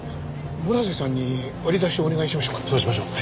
村瀬さんに割り出しをお願いしましょうか。